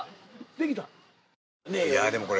できた？